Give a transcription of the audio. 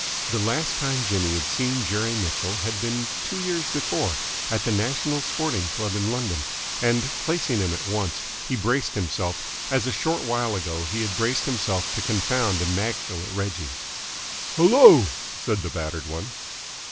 The last time Jimmy had seen Jerry Mitchell had been two years before at the National Sporting Club in London, and, placing him at once, he braced himself, as a short while ago he had braced himself to confound immaculate Reggie. "Hello!" said the battered one.